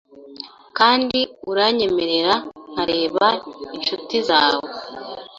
Kandi uranyemerera nkareba inshutizawe,